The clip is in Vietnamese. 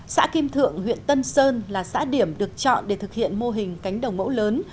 xã kim thượng huyện tân sơn là xã điểm được chọn để thực hiện mô hình cánh đồng mẫu lớn